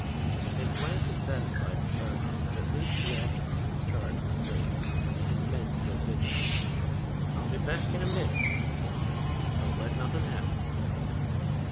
His glance had satisfied the sergeant that at least the object of his charge was safe and his men still vigilant. "I'll be back in a minute," he informed them. "Don't let nothin' happen."